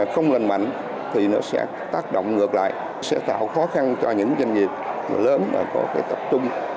không lần mạnh thì nó sẽ tác động ngược lại sẽ tạo khó khăn cho những doanh nghiệp lớn có tập trung